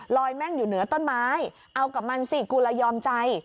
แม่งอยู่เหนือต้นไม้เอากับมันสิกูละยอมใจ